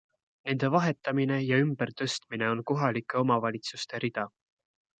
Nende vahetamine ja ümber tõstmine on kohalike omavalitsuste rida.